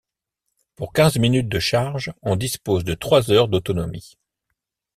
Pour quinze minutes de charge, on dispose de trois heures d'autonomie.